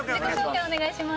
お願いします。